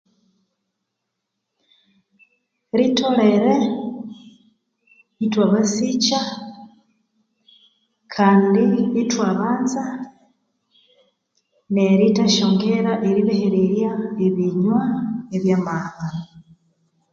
Ritholere ithwabasikya kandi ithwabanza nerithasya ongera eribahererya ebinywa ebyamaha.